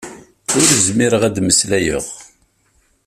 Ur zmireɣ ad mmeslayeɣ.